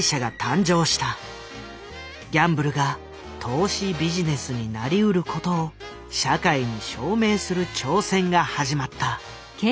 ギャンブルが投資ビジネスになりうることを社会に証明する挑戦が始まった。